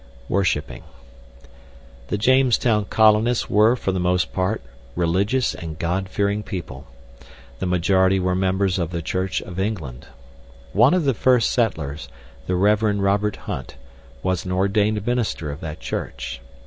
Worshipping The Jamestown colonists were, for the most part, religious and God fearing people. The majority were members of the Church of England. One of the first settlers, the Rev. Robert Hunt, was an ordained minister of that church.